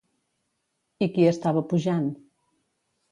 I qui hi estava pujant?